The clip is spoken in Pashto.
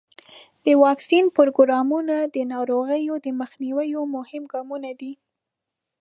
د واکسین پروګرامونه د ناروغیو د مخنیوي مهم ګامونه دي.